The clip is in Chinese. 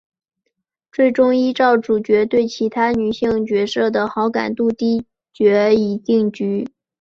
最终依照主角对其他女性角色的好感度高低决定结局。